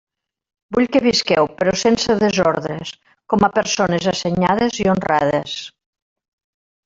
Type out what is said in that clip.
Vull que visqueu, però sense desordres, com a persones assenyades i honrades.